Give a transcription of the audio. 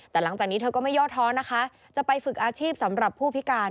แต่หลังจากนี้เธอก็ไม่ย่อท้อนะคะจะไปฝึกอาชีพสำหรับผู้พิการ